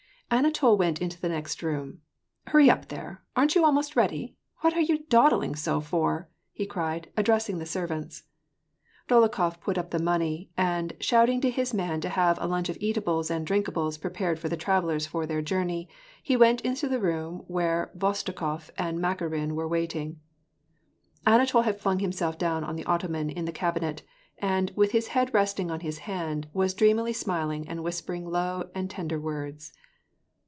Anatol went into the next room. "Hurry up, there! Aren't you almost ready ? What are you dawdung so for ?" he cried, addressing the servants. Dolokhof put up the money, and, shouting to his man to have a lunch of eatables and drinkables prepared for the travellers for their journey, he went into the room where Khvostikof and Makarin were waiting. Anatol had flung himself down on the ottoman in the cab inet, and, with his head resting on his hand, was dreamily smiling and whispering low and tender words.